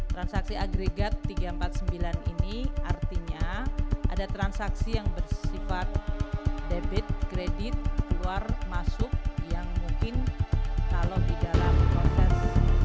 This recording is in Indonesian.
transaksi agregat tiga ratus empat puluh sembilan ini artinya ada transaksi yang bersifat debit kredit keluar masuk yang mungkin kalau di dalam proses